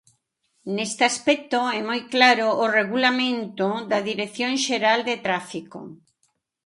Neste aspecto é moi claro o regulamento da Dirección Xeral de Tráfico.